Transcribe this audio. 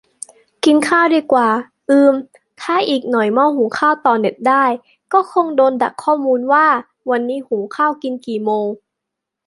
กินข้าวดีกว่า อืมม ถ้าอีกหน่อยหม้อหุงข้าวต่อเน็ตได้ก็คงโดนดักข้อมูลว่า วันนี้หุงข้าวกินกี่โมง